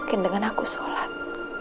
mungkin dengan aku sholat